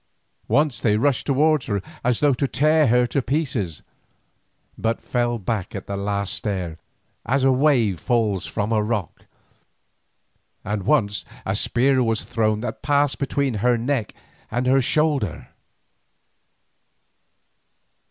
Once they rushed towards her as though to tear her to pieces, but fell back at the last stair, as a wave falls from a rock, and once a spear was thrown that passed between her neck and shoulder.